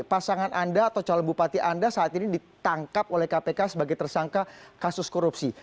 pasangan anda atau calon bupati anda saat ini ditangkap oleh kpk sebagai tersangka kasus korupsi